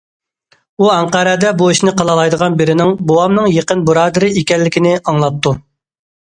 ئۇ ئەنقەرەدە بۇ ئىشنى قىلالايدىغان بىرىنىڭ بوۋامنىڭ يېقىن بۇرادىرى ئىكەنلىكىنى ئاڭلاپتۇ.